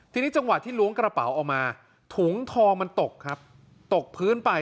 ทีนี้จังหวะที่ล้วงกระเป๋าออกมาถุงทองมันตกครับตกพื้นไป